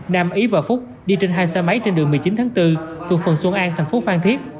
nam ý và phúc đi trên hai xe máy trên đường một mươi chín tháng bốn thuộc phường xuân an thành phố phan thiết